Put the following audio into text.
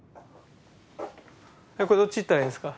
これどっち行ったらいいですか？